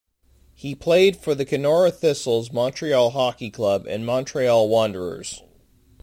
He played for the Kenora Thistles, Montreal Hockey Club, and Montreal Wanderers.